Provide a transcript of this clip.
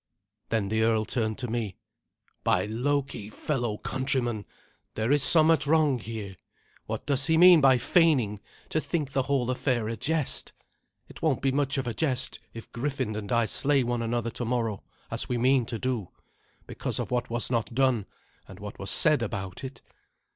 Then the earl turned to me, "By Loki, fellow countryman, there is somewhat wrong here. What does he mean by feigning to think the whole affair a jest? It won't be much of a jest if Griffin and I slay one another tomorrow, as we mean to do, because of what was not done, and what was said about it."